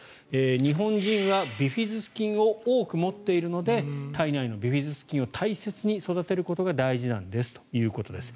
日本人はビフィズス菌を多く持っているので体内のビフィズス菌を大切に育てることが大事なんですということです。